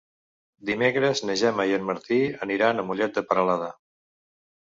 Dimecres na Gemma i en Martí aniran a Mollet de Peralada.